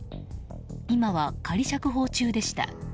今は仮釈放中でした。